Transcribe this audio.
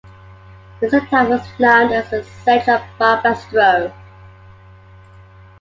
This attack was known as the Siege of Barbastro.